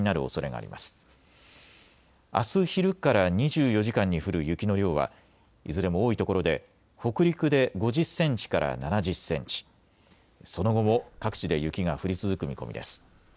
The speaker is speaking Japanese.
あす昼から２４時間に降る雪の量はいずれも多いところで北陸で５０センチから７０センチ、その後も各地で雪が降り続く見込みです。